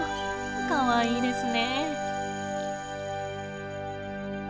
かわいいですね。